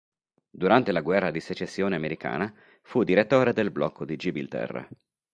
Durante la guerra di secessione americana fu direttore del blocco di Gibilterra.